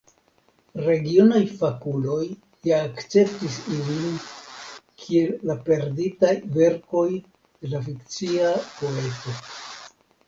Regionaj fakuloj ja akceptis ilin kiel la perditaj verkoj de la fikcia poeto.